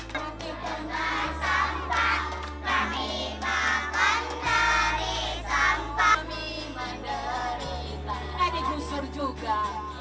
kami makan dari sampah kami manderi dari sampah kami manderi dari sampah